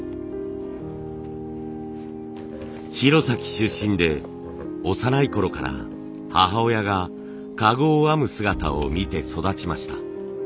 弘前出身で幼いころから母親が籠を編む姿を見て育ちました。